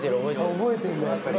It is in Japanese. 覚えてるんだやっぱり。